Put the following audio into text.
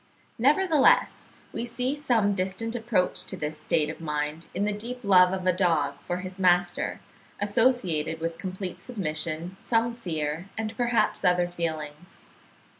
Nevertheless, we see some distant approach to this state of mind in the deep love of a dog for his master, associated with complete submission, some fear, and perhaps other feelings.